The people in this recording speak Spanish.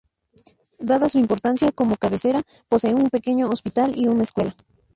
Dada su importancia como cabecera, posee un pequeño hospital y una escuela.